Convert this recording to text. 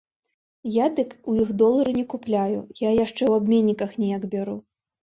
Я дык ў іх долары не купляю, я яшчэ ў абменніках неяк бяру.